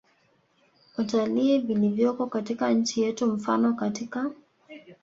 utalii vilivyoko katika nchi yetu Mfano katika